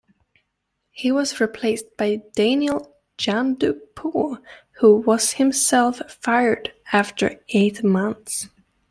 He was replaced by Daniel Jeandupeux who was himself fired after eight months.